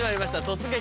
「突撃！